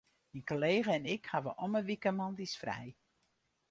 Myn kollega en ik hawwe om 'e wike moandeis frij.